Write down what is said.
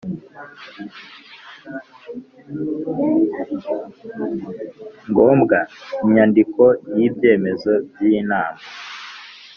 Ngombwa inyandiko y ibyemezo by inama